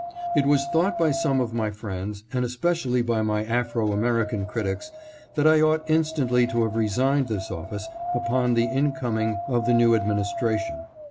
It was thought by some of my friends, and especially by my Afro American critics, that I ought instantly to have resigned this office upon the incoming of the new administration.